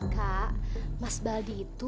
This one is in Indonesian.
kak mas baldi itu